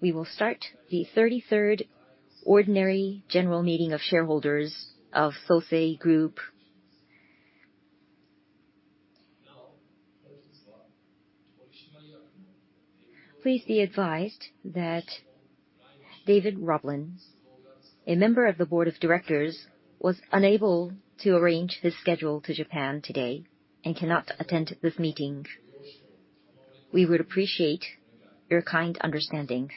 We will start the 33rd Ordinary General Meeting of Shareholders of Sosei Group. Please be advised that David Roblin, a member of the Board of Directors, was unable to arrange his schedule to Japan today and cannot attend this meeting. We would appreciate your kind understanding.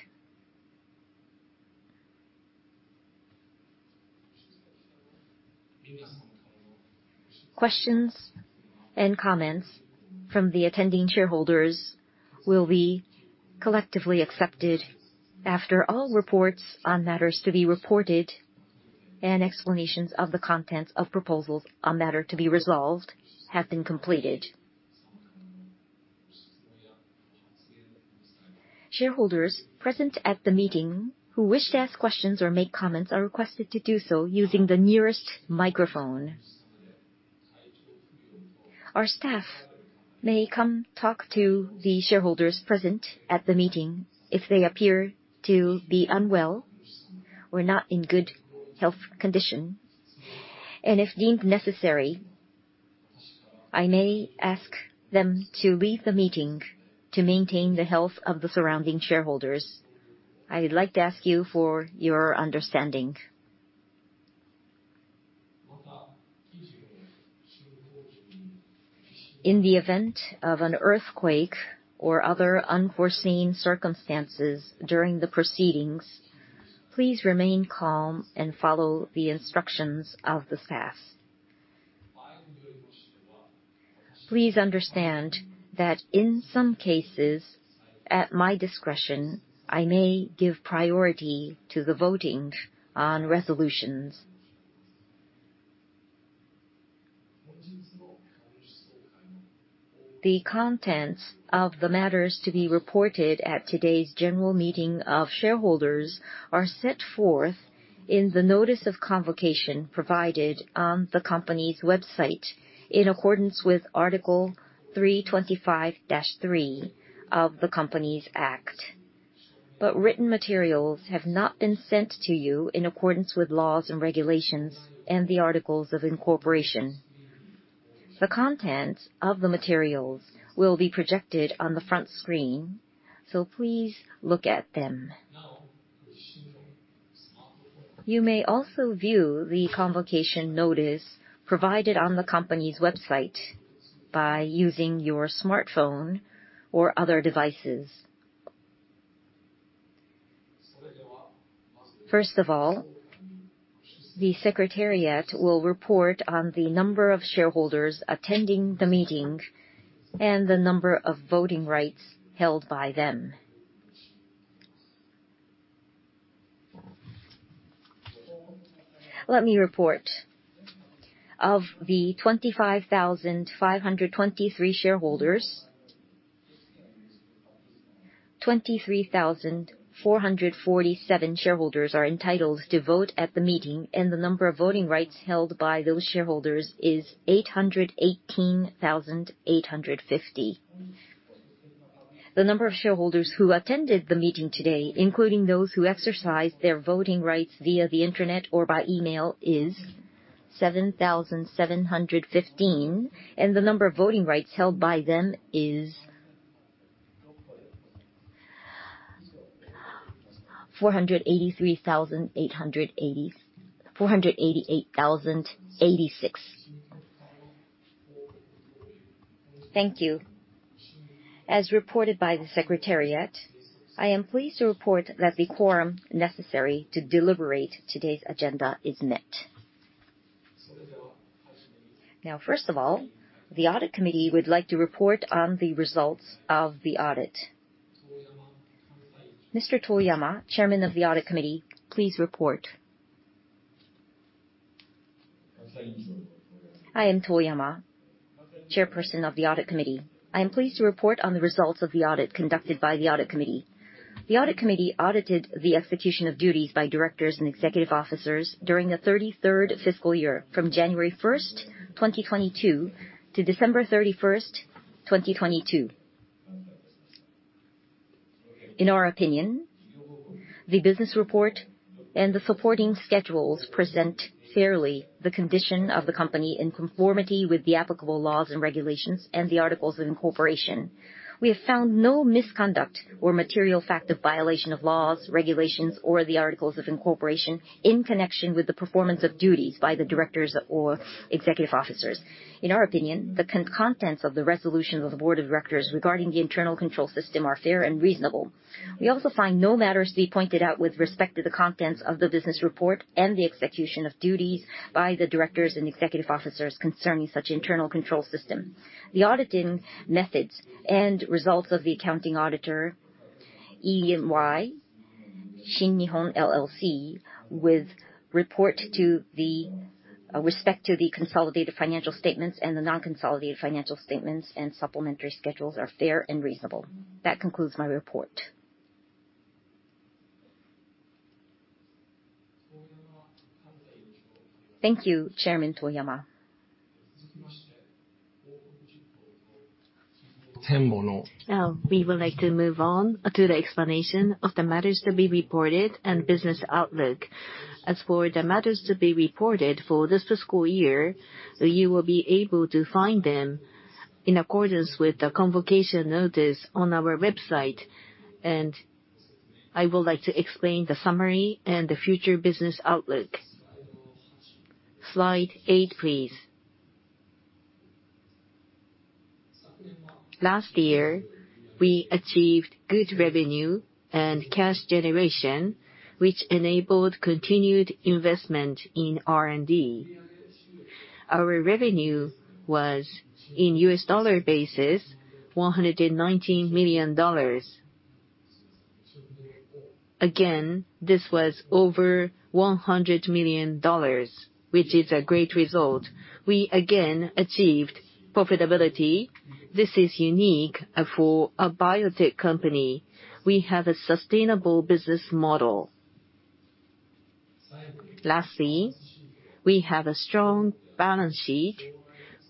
Questions and comments from the attending shareholders will be collectively accepted after all reports on matters to be reported and explanations of the contents of proposals on matter to be resolved have been completed. Shareholders present at the meeting who wish to ask questions or make comments are requested to do so using the nearest microphone. Our staff may come talk to the shareholders present at the meeting if they appear to be unwell or not in good health condition. If deemed necessary, I may ask them to leave the meeting to maintain the health of the surrounding shareholders. I would like to ask you for your understanding. In the event of an earthquake or other unforeseen circumstances during the proceedings, please remain calm and follow the instructions of the staff. Please understand that in some cases, at my discretion, I may give priority to the voting on resolutions. The contents of the matters to be reported at today's general meeting of shareholders are set forth in the notice of convocation provided on the company's website in accordance with Article 325-3 of the Companies Act. Written materials have not been sent to you in accordance with laws and regulations and the articles of incorporation. The contents of the materials will be projected on the front screen, please look at them. You may also view the convocation notice provided on the company's website by using your smartphone or other devices. First of all, the secretariat will report on the number of shareholders attending the meeting and the number of voting rights held by them. Let me report. Of the 25,523 shareholders, 23,447 shareholders are entitled to vote at the meeting, and the number of voting rights held by those shareholders is 818,850. The number of shareholders who attended the meeting today, including those who exercised their voting rights via the Internet or by email, is 7,715, and the number of voting rights held by them is 488,086. Thank you. As reported by the secretariat, I am pleased to report that the quorum necessary to deliberate today's agenda is met. Now, first of all, the audit committee would like to report on the results of the audit. Mr. Tohyama, Chairman of the Audit Committee, please report. I am Tohyama, Chairperson of the Audit Committee. I am pleased to report on the results of the audit conducted by the audit committee. The audit committee audited the execution of duties by directors and executive officers during the 33rd fiscal year from January 1, 2022 to December 31, 2022. In our opinion, the business report and the supporting schedules present fairly the condition of the company in conformity with the applicable laws and regulations and the articles of incorporation. We have found no misconduct or material fact of violation of laws, regulations, or the articles of incorporation in connection with the performance of duties by the directors or executive officers. In our opinion, the contents of the resolution of the board of directors regarding the internal control system are fair and reasonable. We also find no matters to be pointed out with respect to the contents of the business report and the execution of duties by the directors and executive officers concerning such internal control system. The auditing methods and results of the accounting auditor, EY ShinNihon LLC, with report to the respect to the consolidated financial statements and the non-consolidated financial statements and supplementary schedules are fair and reasonable. That concludes my report. Thank you, Chairman Tohyama. We would like to move on to the explanation of the matters to be reported and business outlook. As for the matters to be reported for this fiscal year, you will be able to find them in accordance with the convocation notice on our website. I would like to explain the summary and the future business outlook. Slide 8, please. Last year, we achieved good revenue and cash generation, which enabled continued investment in R&D. Our revenue was, in U.S. dollar basis, $119,000,000. Again, this was over $100,000,000, which is a great result. We again achieved profitability. This is unique for a biotech company. We have a sustainable business model. Lastly, we have a strong balance sheet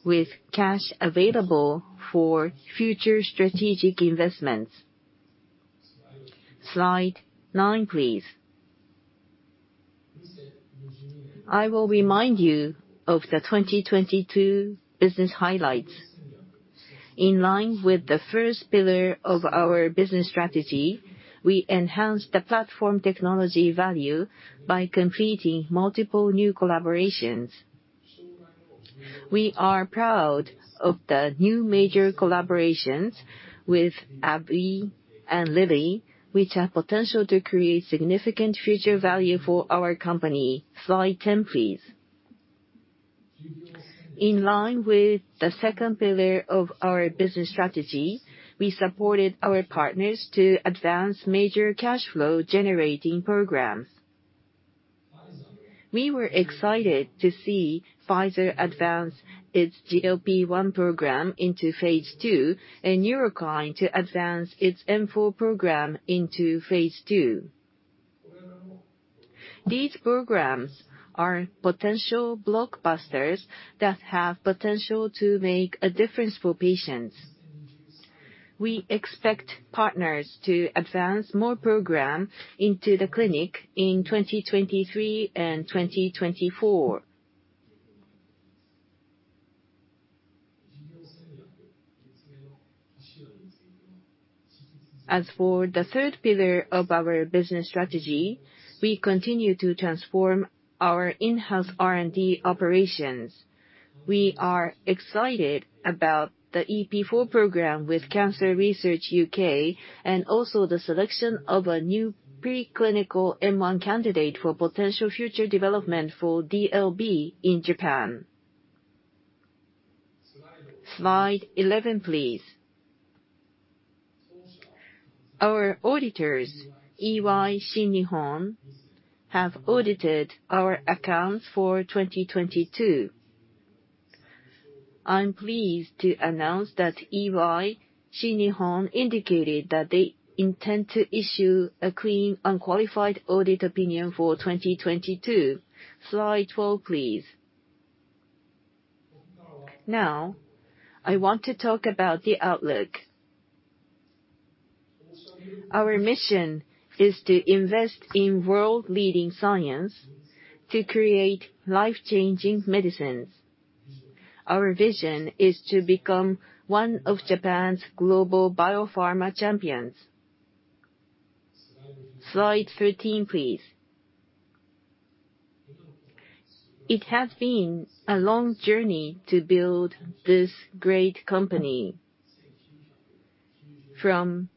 with cash available for future strategic investments. Slide 9, please. I will remind you of the 2022 business highlights. In line with the first pillar of our business strategy, we enhanced the platform technology value by completing multiple new collaborations. We are proud of the new major collaborations with AbbVie and Lilly, which have potential to create significant future value for our company. Slide 10, please. In line with the second pillar of our business strategy, we supported our partners to advance major cash flow generating programs. We were excited to see Pfizer advance its GLP-1 program into phase II, and Neurocrine to advance its M4 program into phase II. These programs are potential blockbusters that have potential to make a difference for patients. We expect partners to advance more program into the clinic in 2023 and 2024. As for the third pillar of our business strategy, we continue to transform our in-house R&D operations. We are excited about the EP4 program with Cancer Research UK, and also the selection of a new pre-clinical M1 candidate for potential future development for DLB in Japan. Slide 11, please. Our auditors, EY ShinNihon, have audited our accounts for 2022. I'm pleased to announce that EY ShinNihon indicated that they intend to issue a clean, unqualified audit opinion for 2022. Slide 12, please. I want to talk about the outlook. Our mission is to invest in world-leading science to create life-changing medicines. Our vision is to become one of Japan's global biopharma champions. Slide 13, please. It has been a long journey to build this great company. From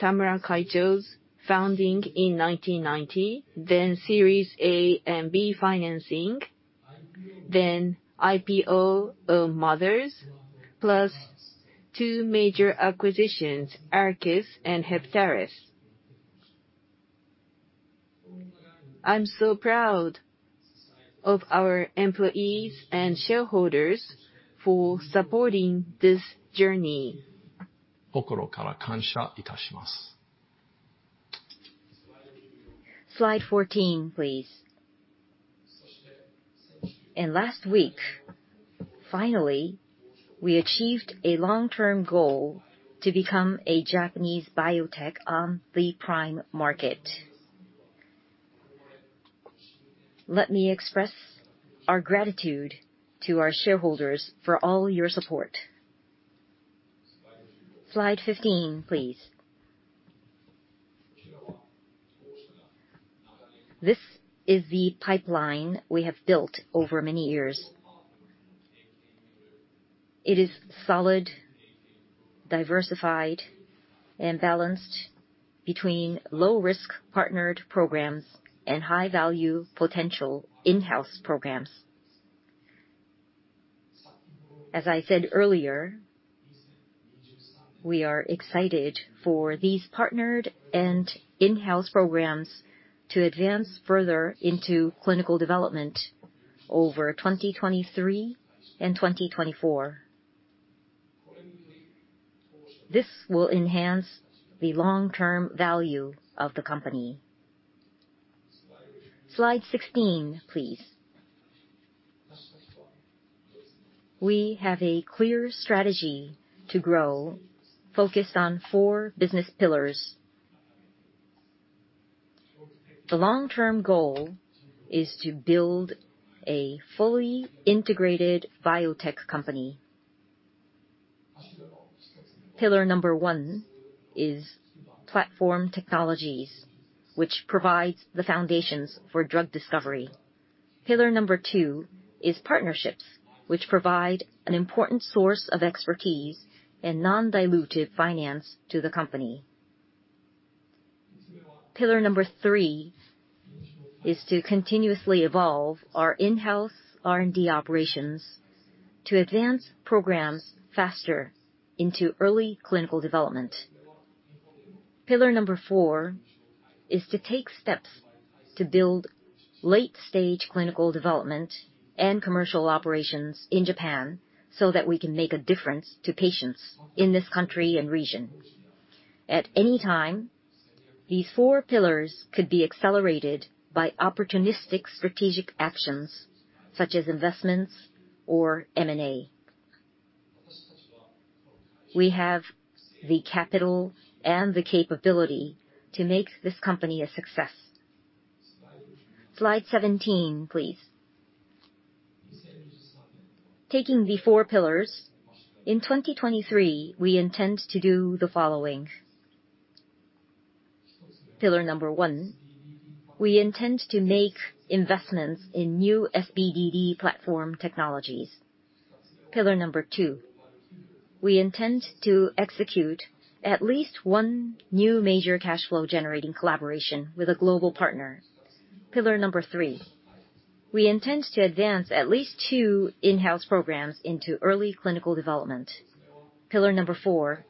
Shinichi Tamura Kaicho's founding in 1990, then Series A and B financing, then IPO of Mothers, plus two major acquisitions, Arakis and Heptares. I'm so proud of our employees and shareholders for supporting this journey. Slide 14, please. Last week, finally, we achieved a long-term goal to become a Japanese biotech on the Prime Market. Let me express our gratitude to our shareholders for all your support. Slide 15, please. This is the pipeline we have built over many years. It is solid, diversified, and balanced between low-risk partnered programs and high-value potential in-house programs. As I said earlier, we are excited for these partnered and in-house programs to advance further into clinical development over 2023 and 2024. This will enhance the long-term value of the company. Slide 16, please. We have a clear strategy to grow focused on 4 business pillars. The long-term goal is to build a fully integrated biotech company. Pillar number 1 is platform technologies, which provides the foundations for drug discovery. Pillar number 2 is partnerships, which provide an important source of expertise and non-dilutive finance to the company. Pillar number 3 is to continuously evolve our in-house R&D operations to advance programs faster into early clinical development. Pillar number 4 is to take steps to build late-stage clinical development and commercial operations in Japan so that we can make a difference to patients in this country and region. At any time, these 4 pillars could be accelerated by opportunistic strategic actions such as investments or M&A. We have the capital and the capability to make this company a success. Slide 17, please. Taking the four pillars, in 2023, we intend to do the following. Pillar number 1, we intend to make investments in new SBDD platform technologies. Pillar number 2, we intend to execute at least one new major cash flow generating collaboration with a global partner. Pillar number 3, we intend to advance at least two in-house programs into early clinical development. Pillar number 4,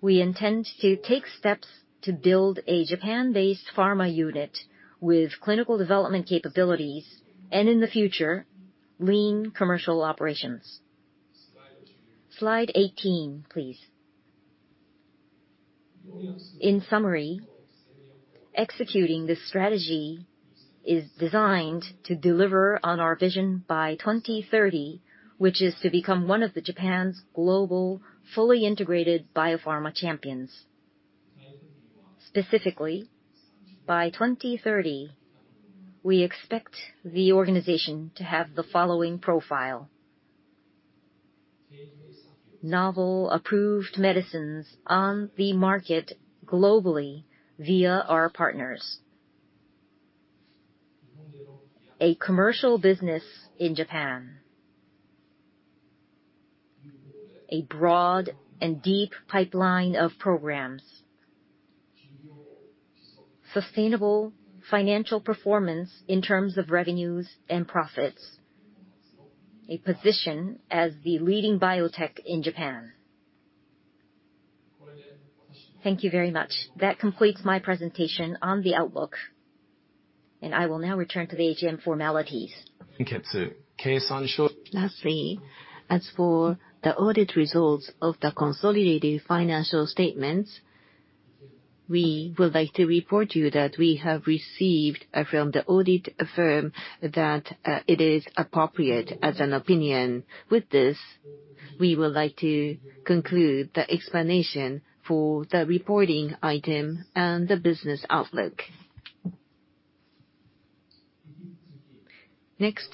we intend to take steps to build a Japan-based pharma unit with clinical development capabilities, in the future, lean commercial operations. Slide 18, please. In summary, executing this strategy is designed to deliver on our vision by 2030, which is to become one of Japan's global fully integrated biopharma champions. Specifically, by 2030, we expect the organization to have the following profile. Novel approved medicines on the market globally via our partners. A commercial business in Japan. A broad and deep pipeline of programs. Sustainable financial performance in terms of revenues and profits. A position as the leading biotech in Japan. Thank you very much. That completes my presentation on the outlook, and I will now return to the AGM formalities. Lastly, as for the audit results of the consolidated financial statements, we would like to report to you that we have received from the audit firm that it is appropriate as an opinion. With this, we would like to conclude the explanation for the reporting item and the business outlook. Next,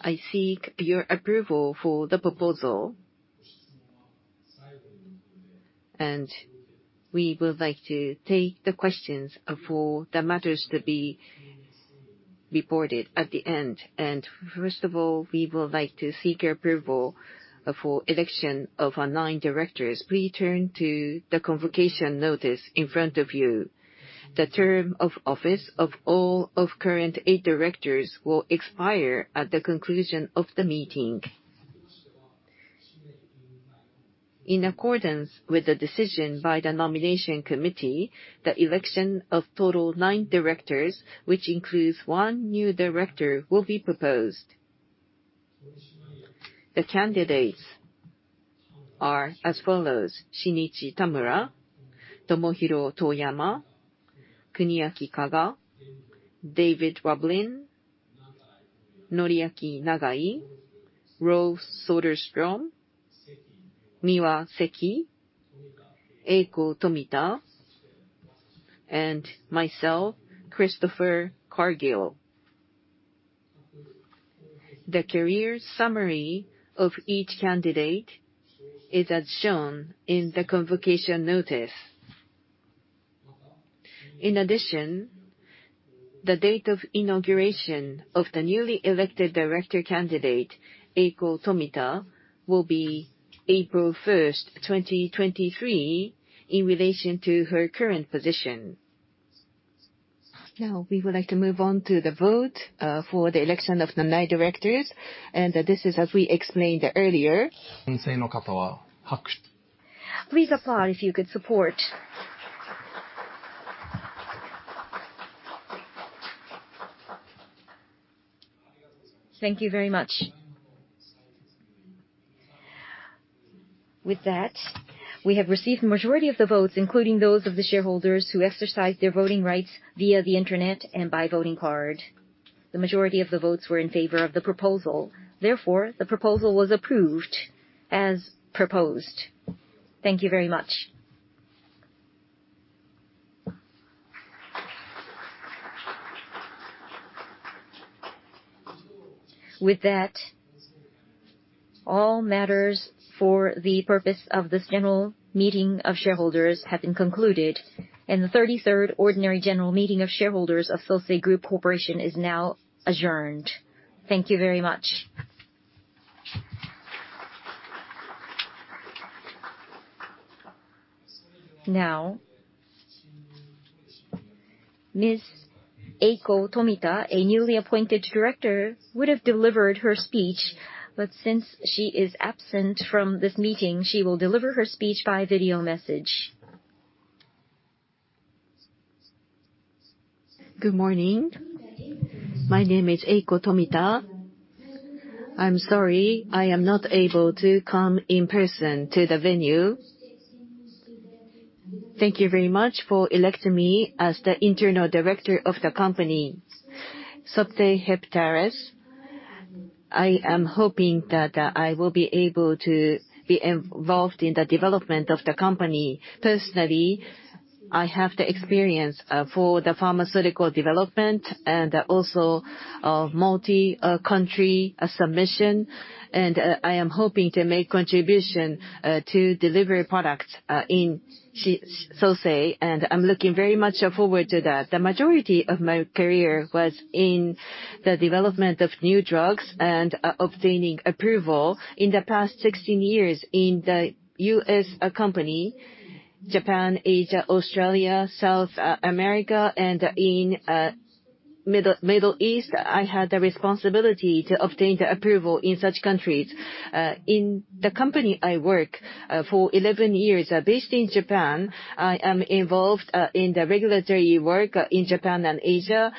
I seek your approval for the proposal. We would like to take the questions for the matters to be reported at the end. First of all, we would like to seek your approval for election of our 9 directors. Please turn to the convocation notice in front of you. The term of office of all of current 8 directors will expire at the conclusion of the meeting. In accordance with the decision by the nomination committee, the election of total 9 directors, which includes 1 new director, will be proposed. The candidates are as follows: Shinichi Tamura, Tomohiro Tohyama, Kuniaki Kaga, David Roblin, Noriaki Nagai, Rolf Soderstrom, Miwa Seki, Eiko Tomita, and myself, Christopher Cargill. The career summary of each candidate is as shown in the convocation notice. In addition, the date of inauguration of the newly elected director candidate, Eiko Tomita, will be April 1st, 2023, in relation to her current position. Now, we would like to move on to the vote for the election of the nine directors. This is as we explained earlier. Please applaud if you could support. Thank you very much. With that, we have received the majority of the votes, including those of the shareholders who exercised their voting rights via the internet and by voting card. The majority of the votes were in favor of the proposal. Therefore, the proposal was approved as proposed. Thank you very much. With that, all matters for the purpose of this general meeting of shareholders have been concluded. The 33rd ordinary general meeting of shareholders of Sosei Group Corporation is now adjourned. Thank you very much. Now, Ms. Eiko Tomita, a newly appointed director, would have delivered her speech, but since she is absent from this meeting, she will deliver her speech by video message. Good morning. My name is Eiko Tomita. I'm sorry I am not able to come in person to the venue. Thank you very much for electing me as the internal director of the company, Sosei Group. I am hoping that I will be able to be involved in the development of the company. Personally, I have the experience for the pharmaceutical development and also multi country submission. I am hoping to make contribution to delivery products in Sosei, and I'm looking very much forward to that. The majority of my career was in the development of new drugs and obtaining approval. In the past 16 years in the U.S. company, Japan, Asia, Australia, South America, and in Middle East, I had the responsibility to obtain the approval in such countries. In the company I work for 11 years, based in Japan, I am involved in the regulatory work in Japan and Asia.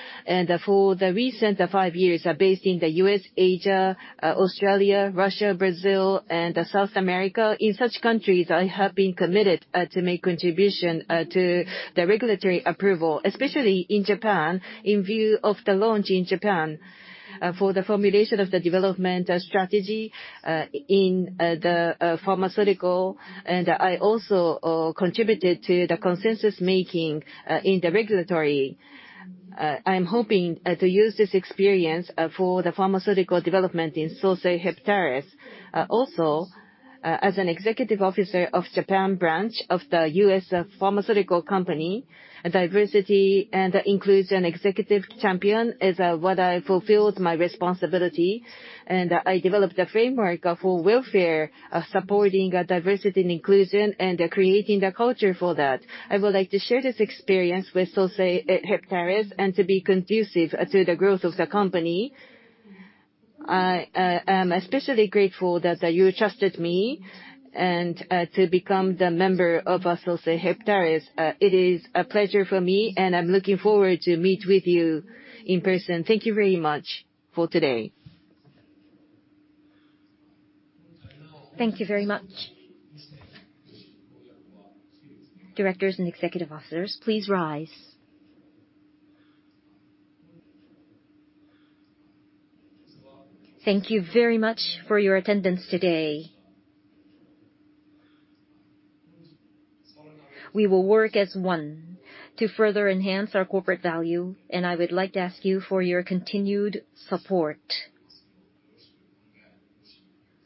For the recent 5 years, are based in the U.S., Asia, Australia, Russia, Brazil, and South America. In such countries, I have been committed to make contribution to the regulatory approval, especially in Japan, in view of the launch in Japan, for the formulation of the development strategy in the pharmaceutical. I also contributed to the consensus making in the regulatory. I'm hoping to use this experience for the pharmaceutical development in Sosei Group. Also, as an executive officer of Japan branch of the U.S. pharmaceutical company, diversity and inclusion executive champion is what I fulfilled my responsibility. I developed a framework for welfare, supporting diversity and inclusion and creating the culture for that. I would like to share this experience with Sosei Group and to be conducive to the growth of the company. I am especially grateful that you trusted me and to become the member of Sosei Group. It is a pleasure for me, and I'm looking forward to meet with you in person. Thank you very much for today. Thank you very much. Directors and executive officers, please rise. Thank you very much for your attendance today. We will work as one to further enhance our corporate value, and I would like to ask you for your continued support.